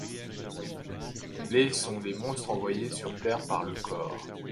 Les sont les monstres envoyés sur Terre par le corps.